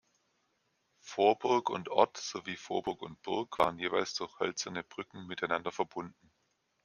Vorburg und Ort sowie Vorburg und Burg waren jeweils durch hölzerne Brücken miteinander verbunden.